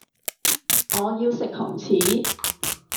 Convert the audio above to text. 我要食紅柿